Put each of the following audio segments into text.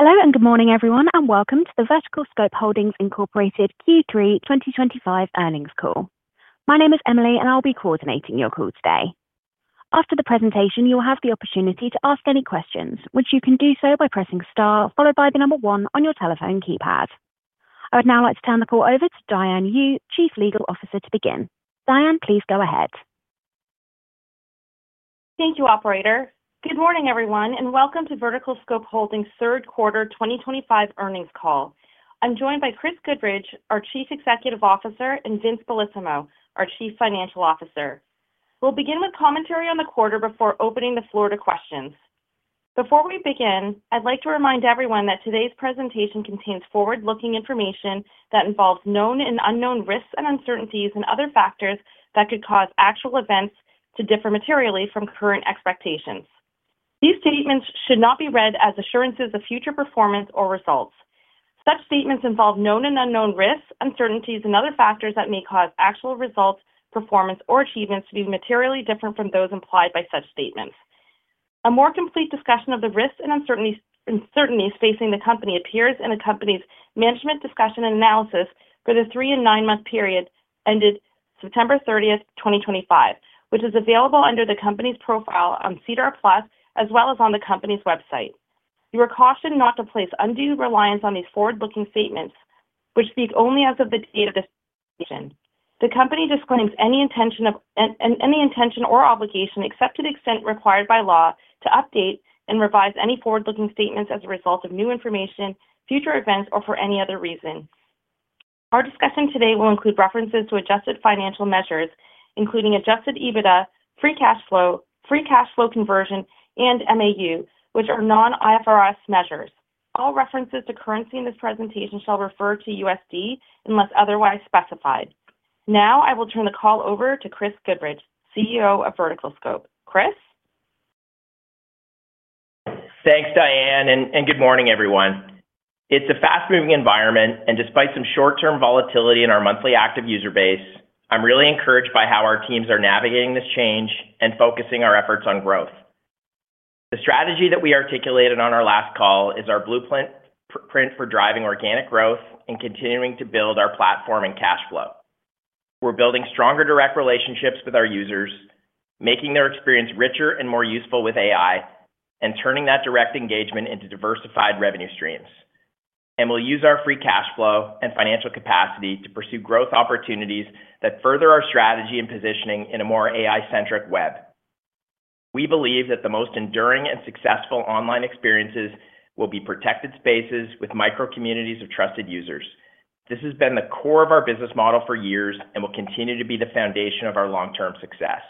Hello and good morning, everyone, and welcome to the VerticalScope Holdings Incorporated Q3 2025 earnings call. My name is Emily, and I'll be coordinating your call today. After the presentation, you'll have the opportunity to ask any questions, which you can do so by pressing star followed by the number one on your telephone keypad. I would now like to turn the call over to Diane Yu, Chief Legal Officer, to begin. Diane, please go ahead. Thank you, Operator. Good morning, everyone, and welcome to VerticalScope Holdings' third quarter 2025 earnings call. I'm joined by Chris Goodridge, our Chief Executive Officer, and Vincenzo Bellissimo, our Chief Financial Officer. We'll begin with commentary on the quarter before opening the floor to questions. Before we begin, I'd like to remind everyone that today's presentation contains forward-looking information that involves known and unknown risks and uncertainties and other factors that could cause actual events to differ materially from current expectations. These statements should not be read as assurances of future performance or results. Such statements involve known and unknown risks, uncertainties, and other factors that may cause actual results, performance, or achievements to be materially different from those implied by such statements. A more complete discussion of the risks and uncertainties facing the company appears in the company's management discussion and analysis for the three- and nine-month period ended September 30th, 2025, which is available under the company's profile on SEDAR+ as well as on the company's website. You are cautioned not to place undue reliance on these forward-looking statements, which speak only as of the date of this decision. The company disclaims any intention or obligation, except to the extent required by law, to update and revise any forward-looking statements as a result of new information, future events, or for any other reason. Our discussion today will include references to adjusted financial measures, including adjusted EBITDA, free cash flow, free cash flow conversion, and MAU, which are non-IFRS measures. All references to currency in this presentation shall refer to USD unless otherwise specified. Now, I will turn the call over to Chris Goodridge, CEO of VerticalScope. Chris. Thanks, Diane, and good morning, everyone. It's a fast-moving environment, and despite some short-term volatility in our monthly active user base, I'm really encouraged by how our teams are navigating this change and focusing our efforts on growth. The strategy that we articulated on our last call is our blueprint for driving organic growth and continuing to build our platform and cash flow. We're building stronger direct relationships with our users, making their experience richer and more useful with AI, and turning that direct engagement into diversified revenue streams. We will use our free cash flow and financial capacity to pursue growth opportunities that further our strategy and positioning in a more AI-centric web. We believe that the most enduring and successful online experiences will be protected spaces with micro-communities of trusted users. This has been the core of our business model for years and will continue to be the foundation of our long-term success.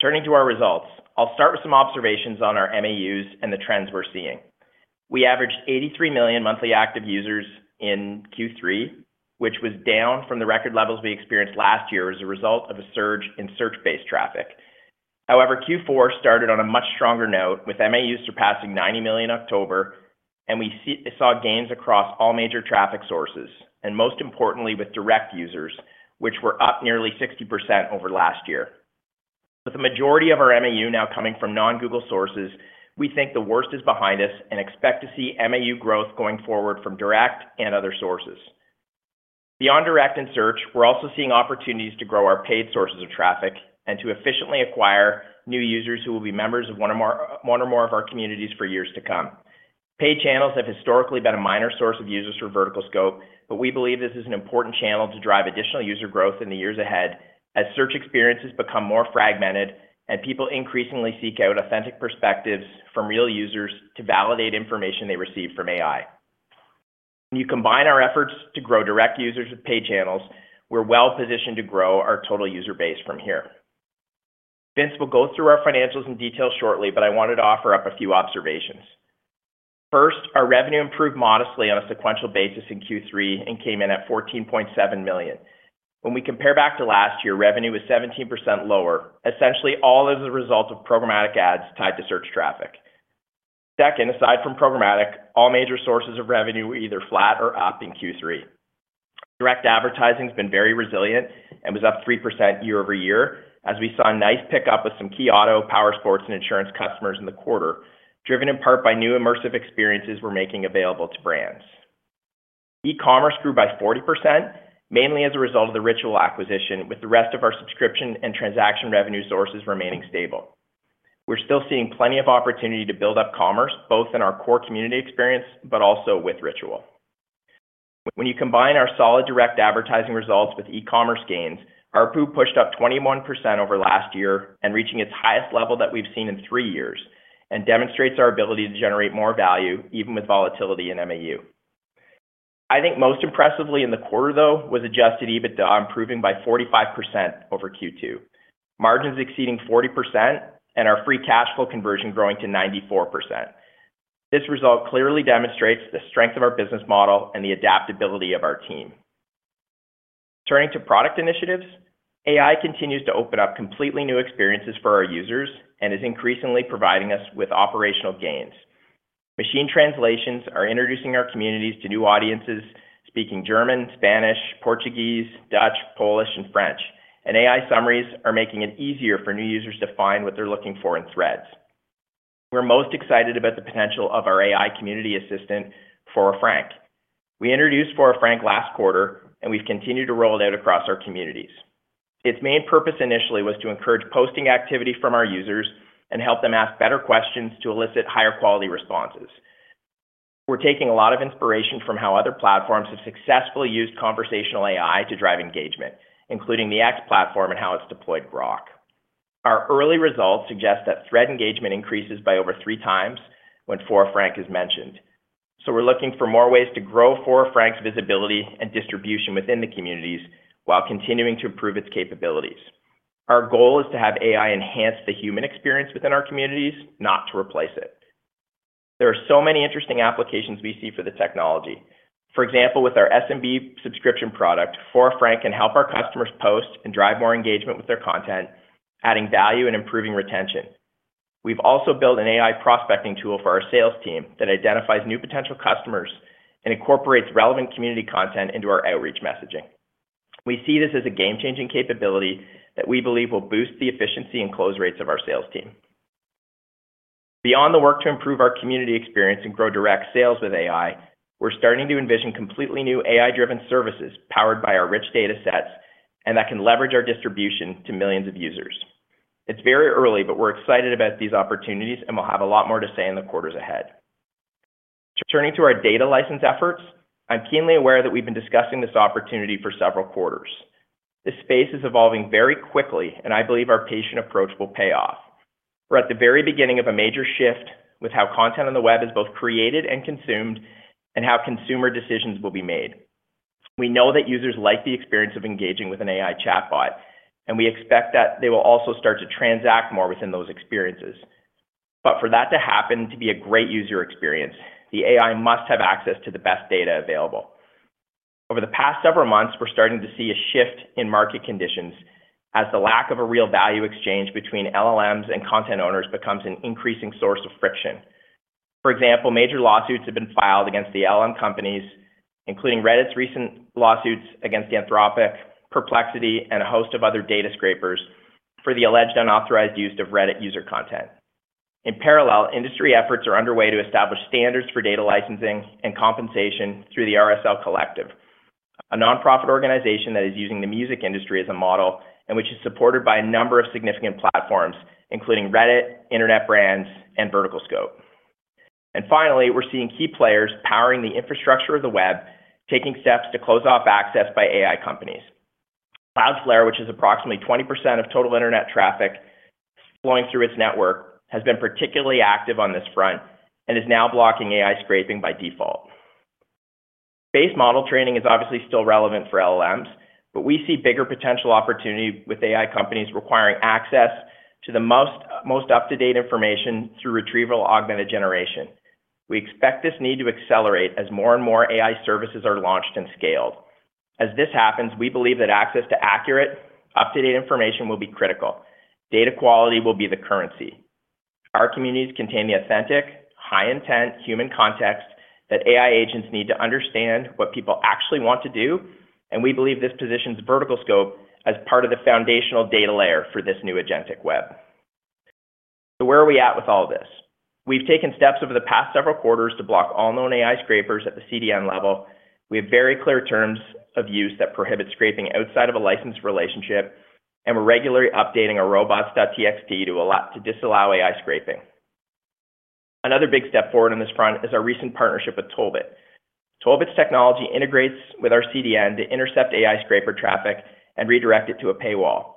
Turning to our results, I'll start with some observations on our MAUs and the trends we're seeing. We averaged 83 million monthly active users in Q3, which was down from the record levels we experienced last year as a result of a surge in search-based traffic. However, Q4 started on a much stronger note, with MAUs surpassing 90 million in October, and we saw gains across all major traffic sources, and most importantly, with direct users, which were up nearly 60% over last year. With the majority of our MAU now coming from non-Google sources, we think the worst is behind us and expect to see MAU growth going forward from direct and other sources. Beyond direct and search, we're also seeing opportunities to grow our paid sources of traffic and to efficiently acquire new users who will be members of one or more of our communities for years to come. Paid channels have historically been a minor source of users for VerticalScope, but we believe this is an important channel to drive additional user growth in the years ahead as search experiences become more fragmented and people increasingly seek out authentic perspectives from real users to validate information they receive from AI. When you combine our efforts to grow direct users with paid channels, we're well-positioned to grow our total user base from here. Vince will go through our financials in detail shortly, but I wanted to offer up a few observations. First, our revenue improved modestly on a sequential basis in Q3 and came in at $14.7 million. When we compare back to last year, revenue was 17% lower, essentially all as a result of Programmatic ads tied to search traffic. Second, aside from Programmatic, all major sources of revenue were either flat or up in Q3. Direct advertising has been very resilient and was up 3% year-over-year, as we saw a nice pickup of some key auto, power sports, and insurance customers in the quarter, driven in part by new immersive experiences we're making available to brands. E-commerce grew by 40%, mainly as a result of the Ritual acquisition, with the rest of our subscription and transaction revenue sources remaining stable. We're still seeing plenty of opportunity to build up commerce, both in our core community experience but also with Ritual. When you combine our solid direct advertising results with e-commerce gains, our ARPU pushed up 21% over last year and reaching its highest level that we've seen in three years, and demonstrates our ability to generate more value even with volatility in MAU. I think most impressively in the quarter, though, was adjusted EBITDA improving by 45% over Q2, margins exceeding 40%, and our free cash flow conversion growing to 94%. This result clearly demonstrates the strength of our business model and the adaptability of our team. Turning to product initiatives, AI continues to open up completely new experiences for our users and is increasingly providing us with operational gains. Machine translations are introducing our communities to new audiences speaking German, Spanish, Portuguese, Dutch, Polish, and French, and AI summaries are making it easier for new users to find what they're looking for in Threads. We're most excited about the potential of our AI community assistant, Fora Frank. We introduced Fora Frank last quarter, and we've continued to roll it out across our communities. Its main purpose initially was to encourage posting activity from our users and help them ask better questions to elicit higher-quality responses. We're taking a lot of inspiration from how other platforms have successfully used conversational AI to drive engagement, including the X platform and how it's deployed Grok. Our early results suggest that Thread engagement increases by over three times when Fora Frank is mentioned. We are looking for more ways to grow Fora Frank's visibility and distribution within the communities while continuing to improve its capabilities. Our goal is to have AI enhance the human experience within our communities, not to replace it. There are so many interesting applications we see for the technology. For example, with our SMB subscription product, Fora Frank can help our customers post and drive more engagement with their content, adding value and improving retention. We've also built an AI prospecting tool for our sales team that identifies new potential customers and incorporates relevant community content into our outreach messaging. We see this as a game-changing capability that we believe will boost the efficiency and close rates of our sales team. Beyond the work to improve our community experience and grow direct sales with AI, we're starting to envision completely new AI-driven services powered by our rich data sets and that can leverage our distribution to millions of users. It's very early, but we're excited about these opportunities, and we'll have a lot more to say in the quarters ahead. Turning to our data license efforts, I'm keenly aware that we've been discussing this opportunity for several quarters. This space is evolving very quickly, and I believe our patient approach will pay off. We're at the very beginning of a major shift with how content on the web is both created and consumed and how consumer decisions will be made. We know that users like the experience of engaging with an AI chatbot, and we expect that they will also start to transact more within those experiences. For that to happen to be a great user experience, the AI must have access to the best data available. Over the past several months, we're starting to see a shift in market conditions as the lack of a real value exchange between LLMs and content owners becomes an increasing source of friction. For example, major lawsuits have been filed against the LLM companies, including Reddit's recent lawsuits against Anthropic, Perplexity, and a host of other data scrapers for the alleged unauthorized use of Reddit user content. In parallel, industry efforts are underway to establish standards for data licensing and compensation through the RSL Collective, a nonprofit organization that is using the music industry as a model and which is supported by a number of significant platforms, including Reddit, Internet Brands, and VerticalScope. Finally, we're seeing key players powering the infrastructure of the web, taking steps to close off access by AI companies. Cloudflare, which is approximately 20% of total internet traffic flowing through its network, has been particularly active on this front and is now blocking AI scraping by default. Base model training is obviously still relevant for LLMs, but we see bigger potential opportunity with AI companies requiring access to the most up-to-date information through retrieval augmented generation. We expect this need to accelerate as more and more AI services are launched and scaled. As this happens, we believe that access to accurate, up-to-date information will be critical. Data quality will be the currency. Our communities contain the authentic, high-intent, human context that AI agents need to understand what people actually want to do, and we believe this positions VerticalScope as part of the foundational data layer for this new agentic web. Where are we at with all of this? We've taken steps over the past several quarters to block all known AI scrapers at the CDN level. We have very clear terms of use that prohibit scraping outside of a licensed relationship, and we're regularly updating our robots.txt to disallow AI scraping. Another big step forward on this front is our recent partnership with TollBit. TollBit's technology integrates with our CDN to intercept AI scraper traffic and redirect it to a paywall.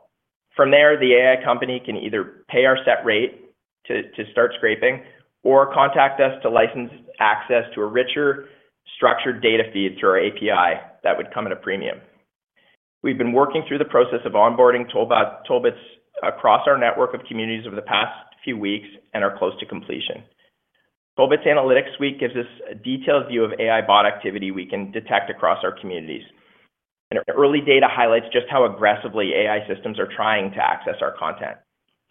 From there, the AI company can either pay our set rate to start scraping or contact us to license access to a richer, structured data feed through our API that would come at a premium. We've been working through the process of onboarding TollBit across our network of communities over the past few weeks and are close to completion. TollBit's analytics suite gives us a detailed view of AI bot activity we can detect across our communities. Early data highlights just how aggressively AI systems are trying to access our content.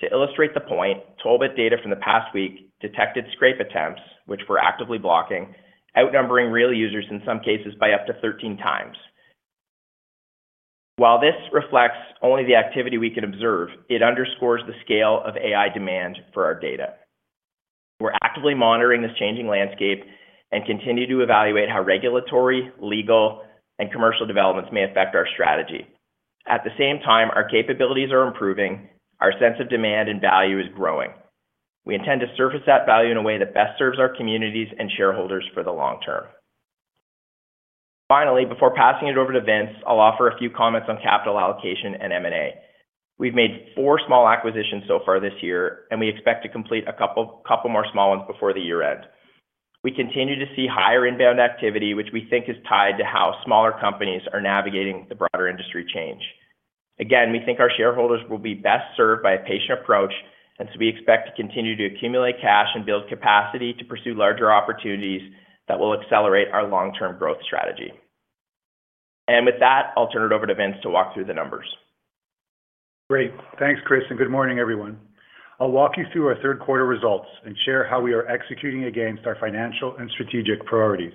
To illustrate the point, TollBit data from the past week detected scrape attempts, which we're actively blocking, outnumbering real users in some cases by up to 13x. While this reflects only the activity we can observe, it underscores the scale of AI demand for our data. We're actively monitoring this changing landscape and continue to evaluate how regulatory, legal, and commercial developments may affect our strategy. At the same time, our capabilities are improving, our sense of demand and value is growing. We intend to surface that value in a way that best serves our communities and shareholders for the long term. Finally, before passing it over to Vince, I'll offer a few comments on capital allocation and M&A. We've made four small acquisitions so far this year, and we expect to complete a couple more small ones before the year end. We continue to see higher inbound activity, which we think is tied to how smaller companies are navigating the broader industry change. We think our shareholders will be best served by a patient approach, and we expect to continue to accumulate cash and build capacity to pursue larger opportunities that will accelerate our long-term growth strategy. With that, I'll turn it over to Vince to walk through the numbers. Great. Thanks, Chris, and good morning, everyone. I'll walk you through our third-quarter results and share how we are executing against our financial and strategic priorities.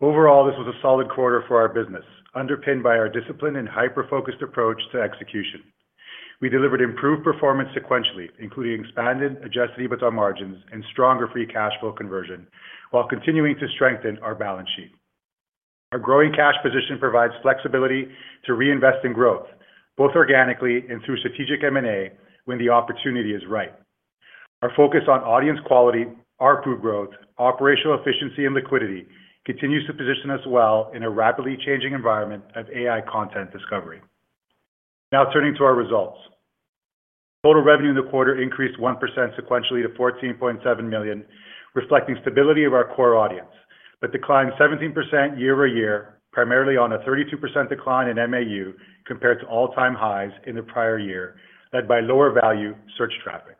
Overall, this was a solid quarter for our business, underpinned by our disciplined and hyper-focused approach to execution. We delivered improved performance sequentially, including expanded adjusted EBITDA margins and stronger free cash flow conversion, while continuing to strengthen our balance sheet. Our growing cash position provides flexibility to reinvest in growth, both organically and through strategic M&A when the opportunity is right. Our focus on audience quality, ARPU growth, operational efficiency, and liquidity continues to position us well in a rapidly changing environment of AI content discovery. Now, turning to our results. Total revenue in the quarter increased 1% sequentially to $14.7 million, reflecting stability of our core audience, but declined 17% year-over-year, primarily on a 32% decline in MAU compared to all-time highs in the prior year, led by lower-value search traffic.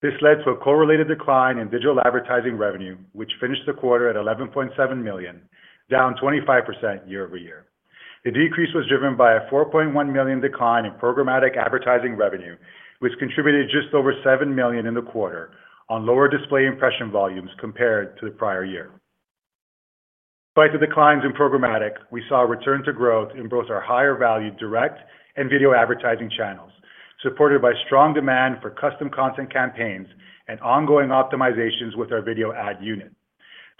This led to a correlated decline in digital advertising revenue, which finished the quarter at $11.7 million, down 25% year-over-year. The decrease was driven by a $4.1 million decline in Programmatic advertising revenue, which contributed just over $7 million in the quarter on lower display impression volumes compared to the prior year. Despite the declines in Programmatic, we saw a return to growth in both our higher-value direct and video advertising channels, supported by strong demand for custom content campaigns and ongoing optimizations with our video ad unit.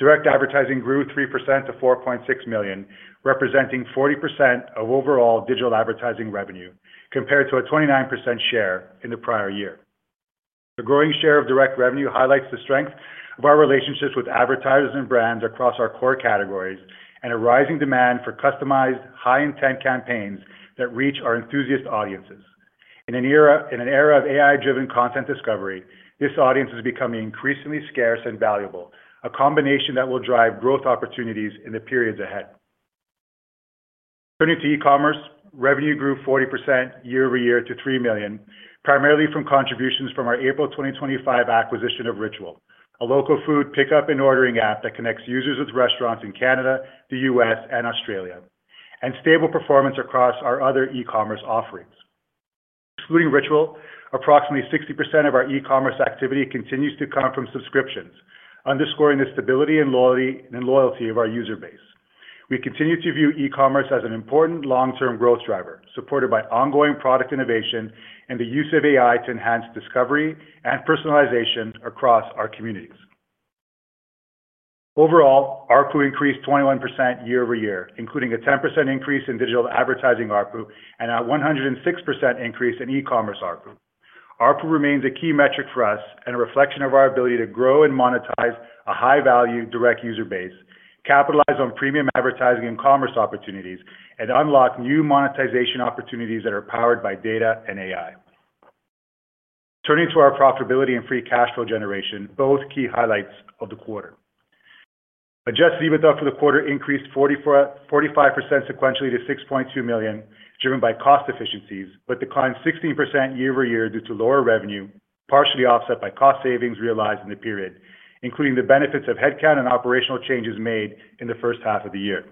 Direct advertising grew 3% to $4.6 million, representing 40% of overall digital advertising revenue, compared to a 29% share in the prior year. The growing share of direct revenue highlights the strength of our relationships with advertisers and brands across our core categories and a rising demand for customized, high-intent campaigns that reach our enthusiast audiences. In an era of AI-driven content discovery, this audience is becoming increasingly scarce and valuable, a combination that will drive growth opportunities in the periods ahead. Turning to e-commerce, revenue grew 40% year-over-year to $3 million, primarily from contributions from our April 2025 acquisition of Ritual, a local food pickup and ordering app that connects users with restaurants in Canada, the U.S., and Australia, and stable performance across our other e-commerce offerings. Excluding Ritual, approximately 60% of our e-commerce activity continues to come from subscriptions, underscoring the stability and loyalty of our user base. We continue to view e-commerce as an important long-term growth driver, supported by ongoing product innovation and the use of AI to enhance discovery and personalization across our communities. Overall, our ARPU increased 21% year-over-year, including a 10% increase in digital advertising ARPU and a 106% increase in e-commerce ARPU. ARPU remains a key metric for us and a reflection of our ability to grow and monetize a high-value direct user base, capitalize on premium advertising and commerce opportunities, and unlock new monetization opportunities that are powered by data and AI. Turning to our profitability and free cash flow generation, both key highlights of the quarter. Adjusted EBITDA for the quarter increased 45% sequentially to $6.2 million, driven by cost efficiencies, but declined 16% year-over-year due to lower revenue, partially offset by cost savings realized in the period, including the benefits of headcount and operational changes made in the first half of the year.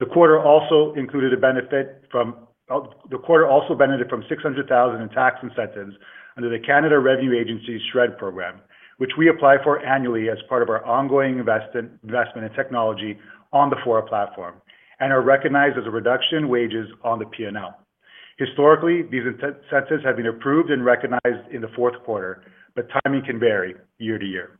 The quarter also included a benefit from. The quarter also benefited from $600,000 in tax incentives under the Canada Revenue Agency's SR&ED Program, which we apply for annually as part of our ongoing investment in technology on the Fora platform and are recognized as a reduction in wages on the P&L. Historically, these incentives have been approved and recognized in the fourth quarter, but timing can vary year-to-year.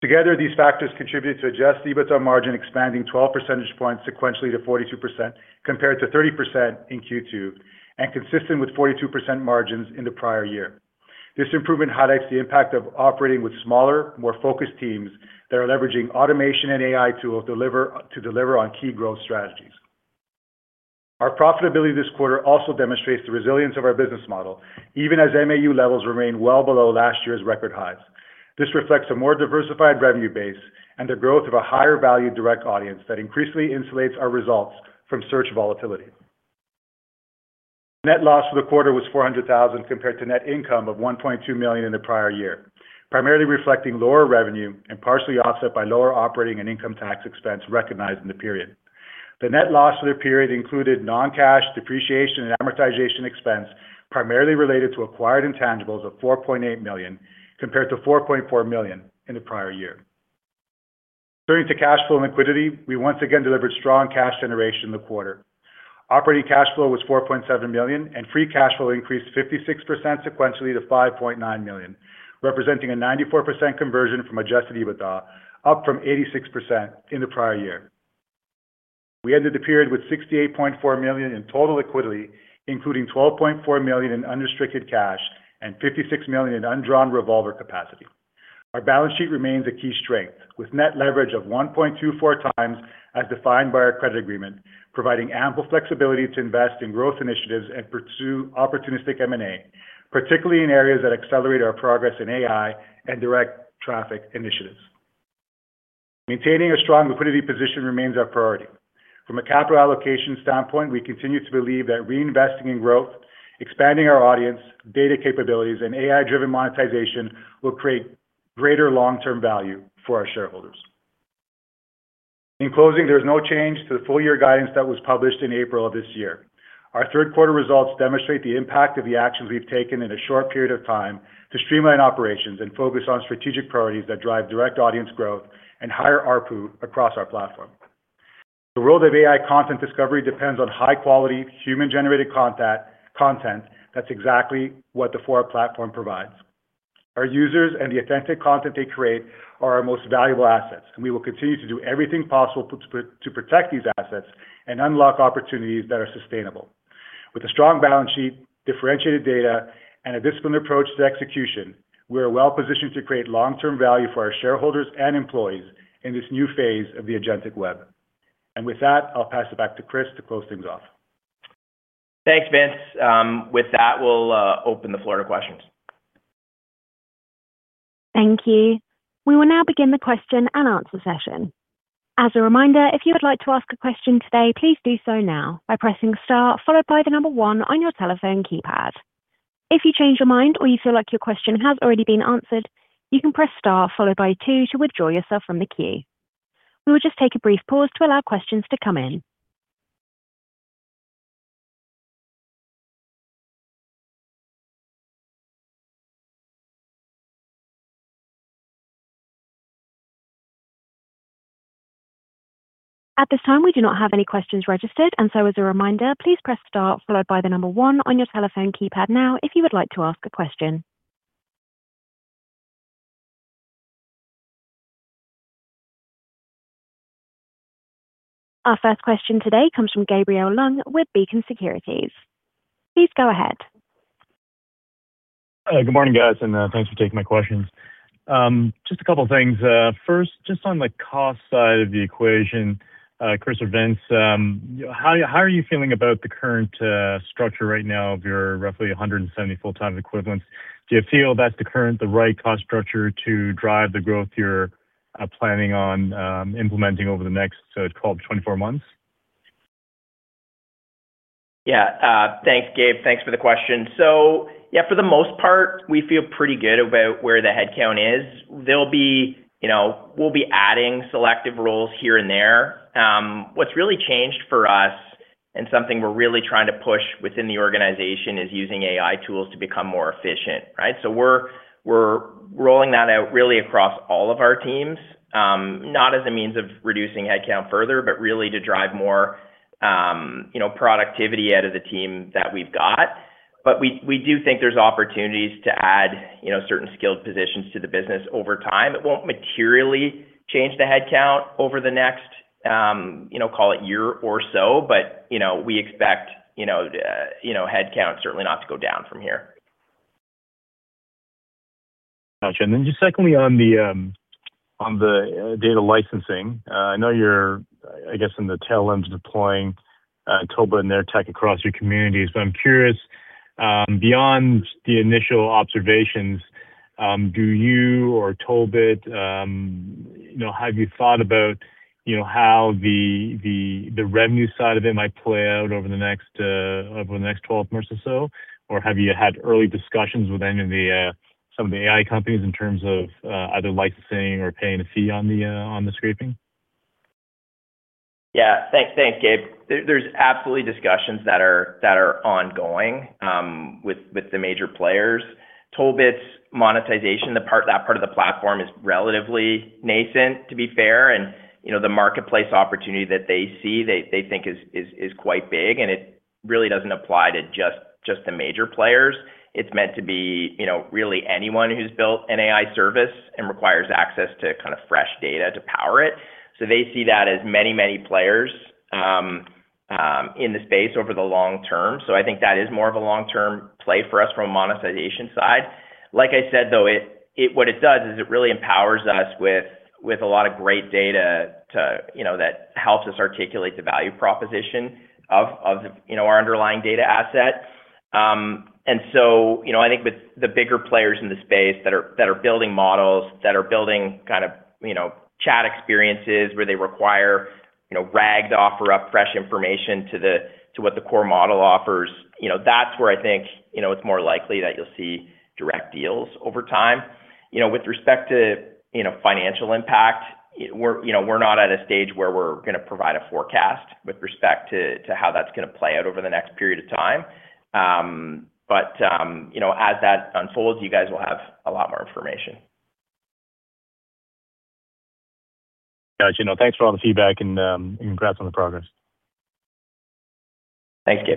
Together, these factors contributed to adjusted EBITDA margin expanding 12 percentage points sequentially to 42% compared to 30% in Q2 and consistent with 42% margins in the prior year. This improvement highlights the impact of operating with smaller, more focused teams that are leveraging automation and AI tools to deliver on key growth strategies. Our profitability this quarter also demonstrates the resilience of our business model, even as MAU levels remain well below last year's record highs. This reflects a more diversified revenue base and the growth of a higher-value direct audience that increasingly insulates our results from search volatility. Net loss for the quarter was $400,000 compared to net income of $1.2 million in the prior year, primarily reflecting lower revenue and partially offset by lower operating and income tax expense recognized in the period. The net loss for the period included non-cash depreciation and amortization expense, primarily related to acquired intangibles of $4.8 million compared to $4.4 million in the prior year. Turning to cash flow and liquidity, we once again delivered strong cash generation in the quarter. Operating cash flow was $4.7 million, and free cash flow increased 56% sequentially to $5.9 million, representing a 94% conversion from adjusted EBITDA, up from 86% in the prior year. We ended the period with $68.4 million in total liquidity, including $12.4 million in unrestricted cash and $56 million in undrawn revolver capacity. Our balance sheet remains a key strength, with net leverage of 1.24x as defined by our credit agreement, providing ample flexibility to invest in growth initiatives and pursue opportunistic M&A, particularly in areas that accelerate our progress in AI and direct traffic initiatives. Maintaining a strong liquidity position remains our priority. From a capital allocation standpoint, we continue to believe that reinvesting in growth, expanding our audience, data capabilities, and AI-driven monetization will create greater long-term value for our shareholders. In closing, there is no change to the full-year guidance that was published in April of this year. Our third-quarter results demonstrate the impact of the actions we've taken in a short period of time to streamline operations and focus on strategic priorities that drive direct audience growth and higher ARPU across our platform. The world of AI content discovery depends on high-quality, human-generated content. That's exactly what the Fora platform provides. Our users and the authentic content they create are our most valuable assets, and we will continue to do everything possible to protect these assets and unlock opportunities that are sustainable. With a strong balance sheet, differentiated data, and a disciplined approach to execution, we are well-positioned to create long-term value for our shareholders and employees in this new phase of the agentic web. I'll pass it back to Chris to close things off. Thanks, Vince. With that, we'll open the floor to questions. Thank you. We will now begin the question and answer session. As a reminder, if you would like to ask a question today, please do so now by pressing star, followed by the number one on your telephone keypad. If you change your mind or you feel like your question has already been answered, you can press star, followed by two to withdraw yourself from the queue. We will just take a brief pause to allow questions to come in. At this time, we do not have any questions registered, and so as a reminder, please press star, followed by the number one on your telephone keypad now if you would like to ask a question. Our first question today comes from Gabriel Leung with Beacon Securities. Please go ahead. Good morning, guys, and thanks for taking my questions. Just a couple of things. First, just on the cost side of the equation, Chris or Vince, how are you feeling about the current structure right now of your roughly 170 full-time equivalents? Do you feel that's the current, the right cost structure to drive the growth you're planning on implementing over the next, so it's called 24 months? Yeah. Thanks, Gabe. Thanks for the question. So yeah, for the most part, we feel pretty good about where the headcount is. We'll be adding selective roles here and there. What's really changed for us and something we're really trying to push within the organization is using AI tools to become more efficient, right? We're rolling that out really across all of our teams, not as a means of reducing headcount further, but really to drive more productivity out of the team that we've got. We do think there's opportunities to add certain skilled positions to the business over time. It will not materially change the headcount over the next, call it, year or so, but we expect headcount certainly not to go down from here. Gotcha. Secondly, on the data licensing, I know you are, I guess, in the tail end of deploying Tollbit and AirTech across your communities, but I am curious. Beyond the initial observations, do you or TollBit—have you thought about how the revenue side of it might play out over the next 12 months or so? Or have you had early discussions with any of some of the AI companies in terms of either licensing or paying a fee on the scraping? Yeah. Thanks, Gabe. There are absolutely discussions that are ongoing with the major players. TollBit's monetization, that part of the platform is relatively nascent, to be fair, and the marketplace opportunity that they see, they think, is quite big, and it really doesn't apply to just the major players. It's meant to be really anyone who's built an AI service and requires access to kind of fresh data to power it. They see that as many, many players in the space over the long term. I think that is more of a long-term play for us from a monetization side. Like I said, though, what it does is it really empowers us with a lot of great data that helps us articulate the value proposition of our underlying data asset. I think with the bigger players in the space that are building models, that are building kind of chat experiences where they require. RAG to offer up fresh information to what the core model offers, that's where I think it's more likely that you'll see direct deals over time. With respect to financial impact, we're not at a stage where we're going to provide a forecast with respect to how that's going to play out over the next period of time. As that unfolds, you guys will have a lot more information. Gotcha. Thanks for all the feedback, and congrats on the progress. Thank you.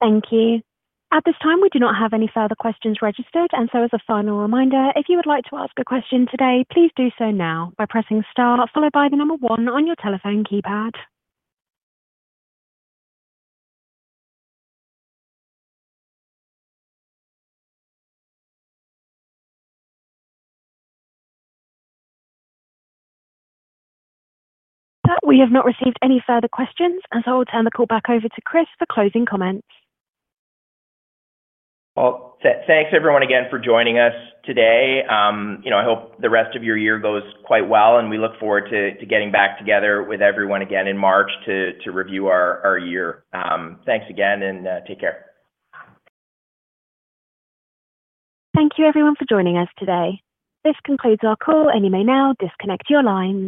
Thank you. At this time, we do not have any further questions registered, and so as a final reminder, if you would like to ask a question today, please do so now by pressing star, followed by the number one on your telephone keypad. We have not received any further questions, and so I will turn the call back over to Chris for closing comments. Thanks, everyone, again for joining us today. I hope the rest of your year goes quite well, and we look forward to getting back together with everyone again in March to review our year. Thanks again, and take care. Thank you, everyone, for joining us today. This concludes our call, and you may now disconnect your lines.